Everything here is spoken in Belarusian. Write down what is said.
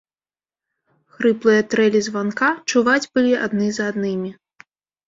Хрыплыя трэлі званка чуваць былі адны за аднымі.